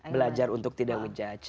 belajar untuk tidak ngejudge